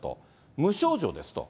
無症状ですと。